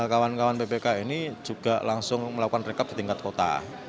kawan kawan ppk ini juga langsung melakukan rekap di tingkat kota